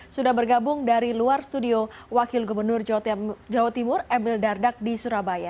sudah bergabung dari luar studio wakil gubernur jawa timur emil dardak di surabaya